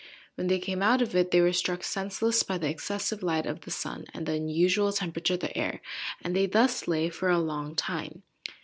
When they came out of it, they were struck senseless by the excessive light of the sun, and the unusual temperature of the air, and they thus lay for a long time.